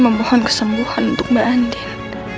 semohon kesembuhan untuk mbak andin